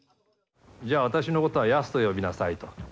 じゃあ私のことはヤスと呼びなさいと。